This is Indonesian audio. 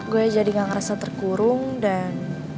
gue jadi gak ngerasa terkurung dan